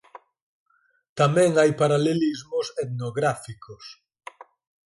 Tamén hai paralelismos etnográficos.